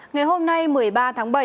ngày hôm nay một mươi ba tháng bảy